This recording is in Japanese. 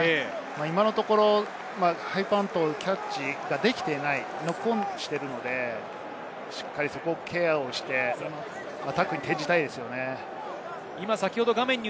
今のところハイパントのキャッチができていない、ノックオンしているので、しっかりケアをしていきたいですよね。